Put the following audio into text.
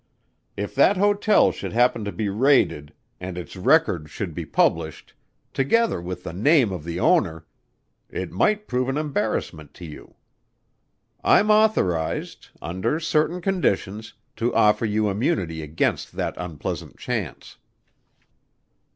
If that hotel should happen to be raided and its record should be published together with the name of the owner it might prove an embarrassment to you. I'm authorized under certain conditions to offer you immunity against that unpleasant chance."